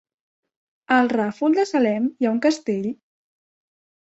A el Ràfol de Salem hi ha un castell?